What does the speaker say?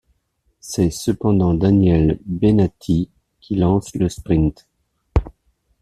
C'est cependant Daniele Bennati qui lance le sprint.